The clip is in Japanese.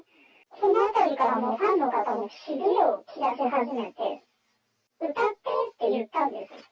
このあたりからもうファンの方もしびれを切らし始めて、歌ってーって言ったんです。